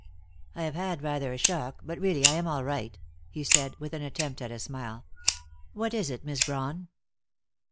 "I have had rather a shock, but really I am all right," he said, with an attempt at a smile. "What is it, Miss Brawn?"